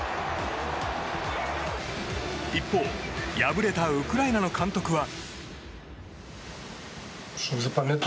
一方、敗れたウクライナの監督は。